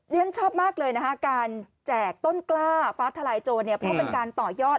ฉันชอบมากเลยนะคะการแจกต้นกล้าฟ้าทลายโจรเนี่ยเพราะเป็นการต่อยอด